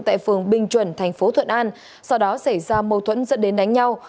tại phường bình chuẩn tp thuận an sau đó xảy ra mâu thuẫn dẫn đến đánh nhau